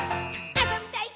あそびたい！」